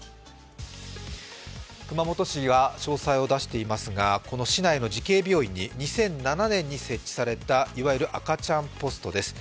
熊本市が詳細を出していますがこの市内の慈恵病院に２００７年に設置されたいわゆる赤ちゃんポストです。